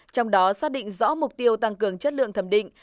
trong đó xác định rõ mục tiêu tăng cường chất lượng thẩm định